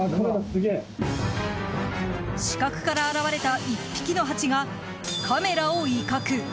死角から現れた１匹のハチがカメラを威嚇。